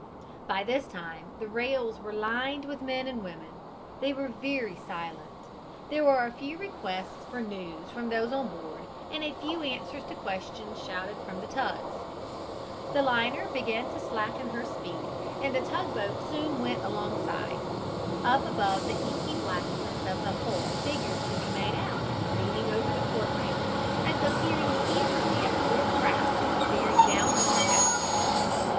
By this time the rails were lined with men and women. They were very silent. There were a few requests for news from those on board and a few answers to questions shouted from the tugs. The liner began to slacken her speed, and the tugboat soon was alongside. Up above the inky blackness of the hull figures could be made out, leaning over the port railing, as though peering eagerly at the little craft which was bearing down on the Carpathia.